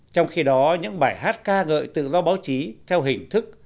trong khi đó những bài hát ca ngợi tự do báo chí theo hình thức